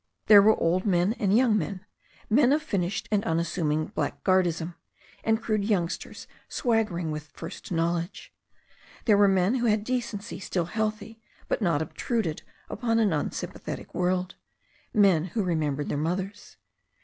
There were old men and young men ; men of finished and unassuming blackguardism, and crude youngsters swagger ing with first knowledge. There were men who had decency still healthy, but not obtruded upon an unsympathetic world; men who remembered their mothers.